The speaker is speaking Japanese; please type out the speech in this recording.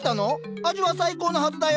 味は最高のはずだよ。